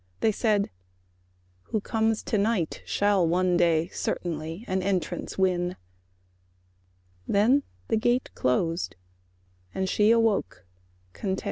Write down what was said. They said, "Who comes to night Shall one day certainly an entrance win;" Then the gate closed and she awoke content.